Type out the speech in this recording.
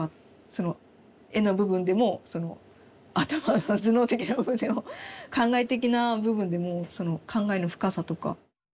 その絵の部分でもその頭の頭脳的な部分でも考え的な部分でもその考えの深さとか。